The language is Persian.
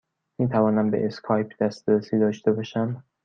می توانم به اسکایپ دسترسی داشته باشم؟